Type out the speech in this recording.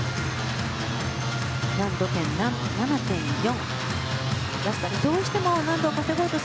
難度点７．４。